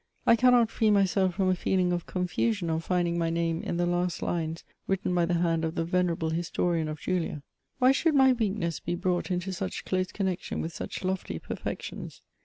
I cannot free myself from a feeling of confusion on finding my name in the last hues written by the hand of the venerable historian of Julia. Why should my weakness be brought into such close connection with such lofty perfections?